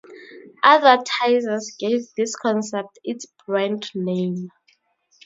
Advertisers gave this concept its brand name.